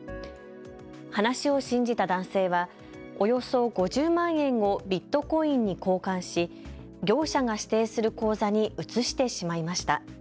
話を信じた男性はおよそ５０万円をビットコインに交換し、業者が指定する口座に移してしまいました。